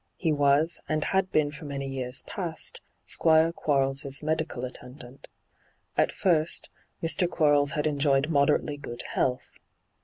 He was, and had been for many years past, Squire Quarles' medical attendant. At fii^ Mr. Quarles had enjoyed moderately good health.